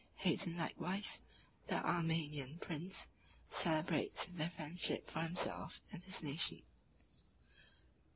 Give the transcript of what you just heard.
Hayton likewise, the Armenian prince, celebrates their friendship for himself and his nation.